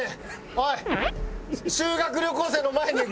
おい！